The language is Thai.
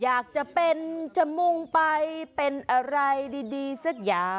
อยากจะเป็นจะมุ่งไปเป็นอะไรดีสักอย่าง